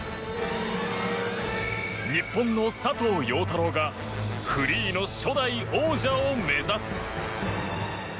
日本の佐藤陽太郎がフリーの初代王者を目指す。